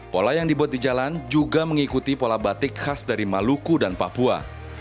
pola yang dibuat di jalan juga mengikuti pola batik khas dari maluku dan papua